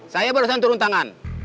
saya barusan turun tangan